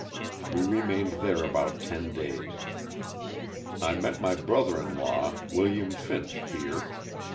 We remained there about ten days. I met my brother in law, Wm. Finch, here.